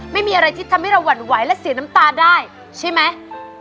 ไม่มีอะไรที่ทำให้เราหวั่นไหวและเสียน้ำตาได้ใช่ไหม